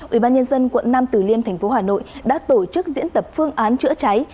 ủy ban nhân dân quận nam tử liêm thành phố hà nội đã tổ chức diễn tập phương án chữa cháy